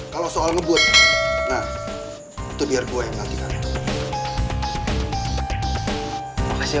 kalau soal ngebut nah itu biar gue yang ngelatihannya